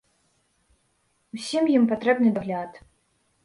Усім ім патрэбны дагляд.